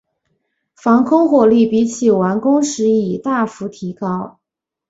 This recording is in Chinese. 防空火力比起完工时已大幅提高。